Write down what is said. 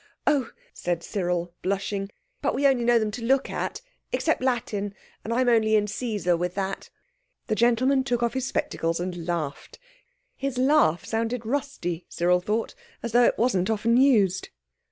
"Oh!" said Cyril blushing, "but we only know them to look at, except Latin—and I'm only in Caesar with that." The gentleman took off his spectacles and laughed. His laugh sounded rusty, Cyril thought, as though it wasn't often used.